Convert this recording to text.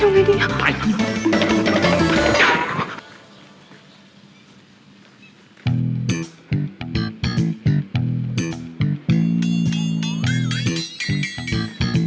แม่สวยแล้ว